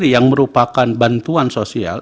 yang merupakan bantuan sosial